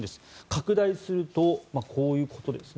拡大すると、こういうことです。